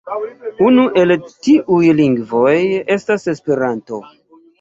Unu el tiuj lingvoj estas Esperanto.